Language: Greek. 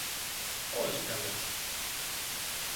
Όχι, καλέ!